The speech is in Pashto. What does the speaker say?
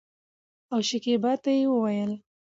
او شکيبا ته يې وويل